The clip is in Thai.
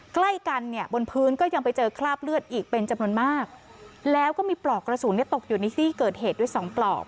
ใกล้กันเนี่ยบนพื้นก็ยังไปเจอคราบเลือดอีกเป็นจำนวนมากแล้วก็มีปลอกกระสุนเนี่ยตกอยู่ในซี่เกิดเหตุด้วยสองปลอก